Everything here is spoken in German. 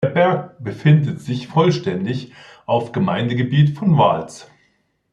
Der Berg befindet sich vollständig auf Gemeindegebiet von Vals.